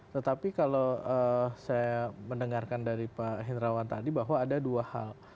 tetapi kalau saya mendengarkan dari pak hendrawan tadi bahwa ada dua hal